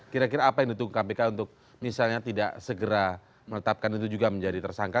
kira kira apa yang ditunggu kpk untuk misalnya tidak segera menetapkan itu juga menjadi tersangka